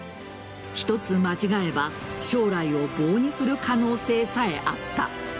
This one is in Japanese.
一つ間違えば将来を棒に振る可能性さえあった。